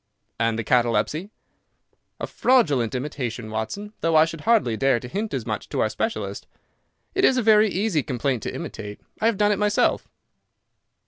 "And the catalepsy?" "A fraudulent imitation, Watson, though I should hardly dare to hint as much to our specialist. It is a very easy complaint to imitate. I have done it myself."